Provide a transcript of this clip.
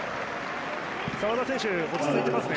澤田選手落ち着いていますね。